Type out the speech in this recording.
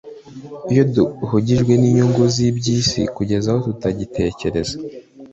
Iyo duhugijwe n'inyurugu z'iby'isi kugeza naho tutagitekereza